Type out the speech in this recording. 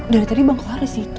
dari tadi bang kohar di situ